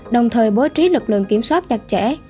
đồng thời bố trí lực lượng kiểm soát chặt chẽ